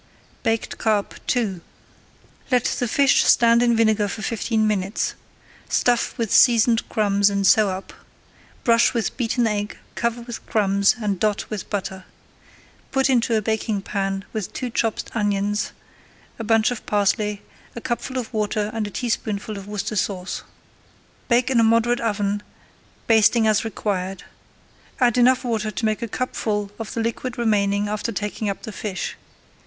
BAKED CARP II Let the fish stand in vinegar for fifteen minutes. Stuff with seasoned crumbs and sew up. Brush with beaten egg, cover with crumbs, and dot with butter. Put into a baking pan with two chopped onions, a bunch of parsley, a cupful [Page 82] of water, and a teaspoonful of Worcestershire sauce. Bake in a moderate oven, basting as required. Add enough water to make a cupful of the liquid remaining after taking up the fish.